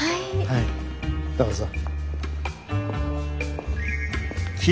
はいどうぞ。